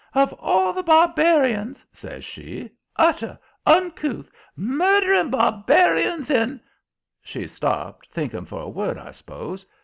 "Of all the barbarians," says she; "utter, uncouth, murdering barbarians in " She stopped, thinking for a word, I s'pose.